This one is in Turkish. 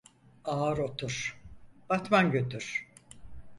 Ağır otur, batman götür.